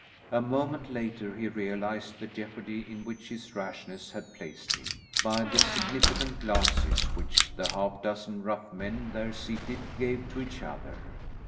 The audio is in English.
A moment later he realised the jeopardy in which his rashness had placed him, by the significant glances which the half dozen rough men there seated gave to each other.